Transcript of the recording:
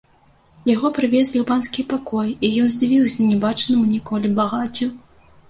Яго прывезлі ў панскія пакоі, і ён здзівіўся не бачанаму ніколі багаццю.